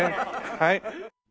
はい。